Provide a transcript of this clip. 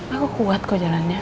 aku kuat kok jalannya